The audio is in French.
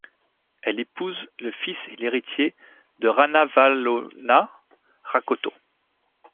Elle épouse le fils et héritier de Ranavalona, Rakoto.